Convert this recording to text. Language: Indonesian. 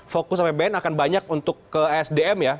fokus sama bn akan banyak untuk ke sdm ya